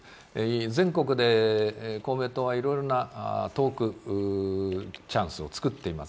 全国で公明党はいろいろなトークチャンスをつくっています。